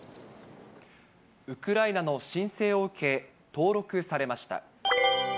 ウクライナの申請を受け、登録されました。